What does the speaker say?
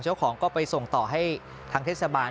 เจ้าของก็ไปส่งต่อให้ทางเทศบาล